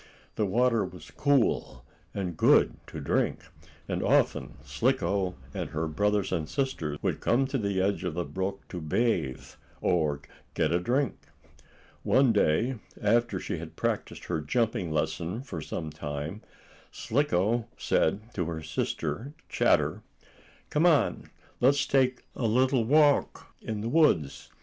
The water was cool, and good to drink, and often Slicko, and her brothers and sister, would come to the edge of the brook to bathe, or get a drink. One day, after she had practiced her jumping lesson for some time, Slicko said to her sister, Chatter: "Come on, let's take a little walk in the woods.